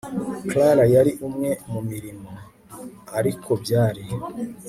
clara yari umwe mu mirimo. ariko byari